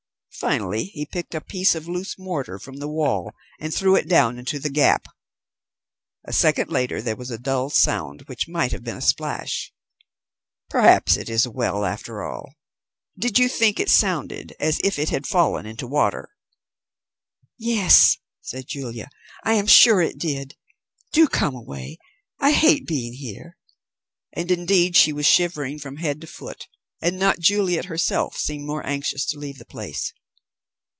Finally he picked a piece of loose mortar from the wall and threw it down into the gap. A second later there was a dull sound which might have been a splash. "Perhaps it is a well after all. Did you think it sounded as if it had fallen into water?" "Yes," said Julia, "I am sure it did. Do come away. I hate being here." And indeed she was shivering from head to foot, and not Juliet herself seemed more anxious to leave the place.